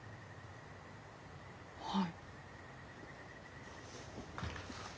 はい。